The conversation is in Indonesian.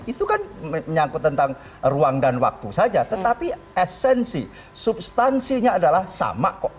itu kan menyangkut tentang ruang dan waktu saja tetapi esensi substansinya adalah sama kok